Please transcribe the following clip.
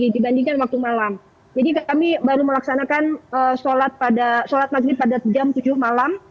jadi kami baru melaksanakan sholat maghrib pada jam tujuh malam